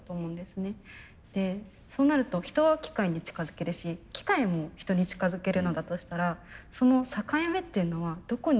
そうなると人は機械に近づけるし機械も人に近づけるのだとしたらその境目っていうのはどこになると？